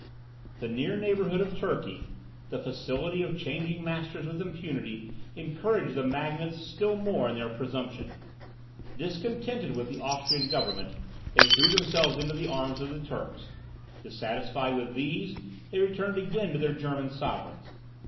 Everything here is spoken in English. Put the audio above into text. The near neighbourhood of Turkey, the facility of changing masters with impunity, encouraged the magnates still more in their presumption; discontented with the Austrian government they threw themselves into the arms of the Turks; dissatisfied with these, they returned again to their German sovereigns.